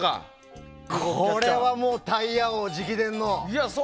これはもうタイヤ王直伝の。